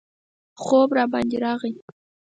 خوب راباندې راغی.